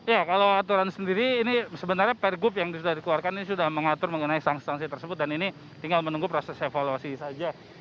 ya kalau aturan sendiri ini sebenarnya pergub yang sudah dikeluarkan ini sudah mengatur mengenai sanksi sanksi tersebut dan ini tinggal menunggu proses evaluasi saja